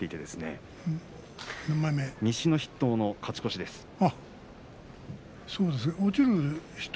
西の筆頭の勝ち越しです。